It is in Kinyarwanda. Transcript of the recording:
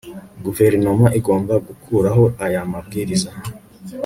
guverinoma igomba gukuraho aya mabwiriza